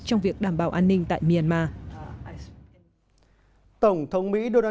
trong việc đảm bảo an ninh tại myanmar